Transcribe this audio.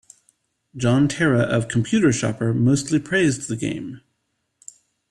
John Terra of "Computer Shopper" mostly praised the game.